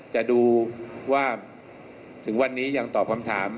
จะดูว่าถึงวันนี้ยังตอบคำถาม